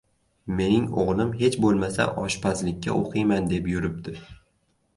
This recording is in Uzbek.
— Mening ulim, hech bo‘lmasa oshpazlikka o‘qiyman deb yuribdi!